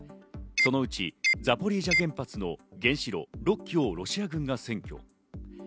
そのうちザポリージャ原発の原子炉６基をロシア軍が占拠。